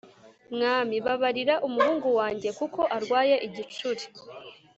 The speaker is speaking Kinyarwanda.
Mwami babarira umuhungu wanjye kuko arwaye igicuri